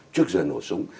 trước giờ nổ súng